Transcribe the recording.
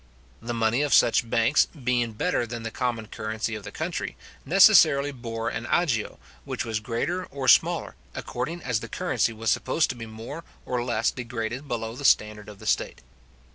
The money of such banks, being better than the common currency of the country, necessarily bore an agio, which was greater or smaller, according as the currency was supposed to be more or less degraded below the standard of the state.